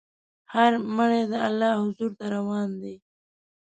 هر مړی د الله حضور ته روان دی.